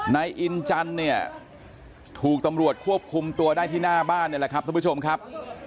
นายอินจันทร์เนี่ยถูกตำรวจควบคุมตัวได้ที่หน้าบ้านนี่แหละครับท่านผู้ชมครับ